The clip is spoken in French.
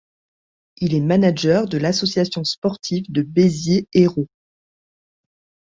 Il est manager de l'Association sportive de Béziers Hérault.